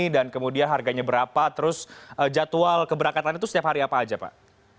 kemudian harganya berapa terus jadwal keberangkatan itu setiap hari apa aja pak